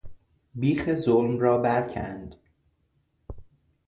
بیخ ظلم را برکند